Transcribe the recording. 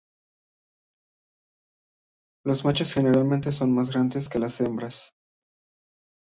Los machos generalmente son más grandes que las hembras.